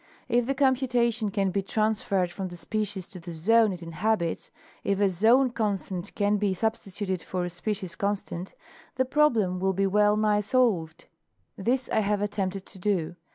If the computation can be transferred from the species to the zone it inhabits—if a zone constant can be substituted for a species constant—the problem will be well nigh solved. This I have attempted to do.